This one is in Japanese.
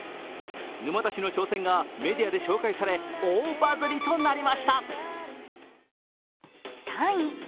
沼田氏の挑戦がメディアで紹介され大バズりとなりました。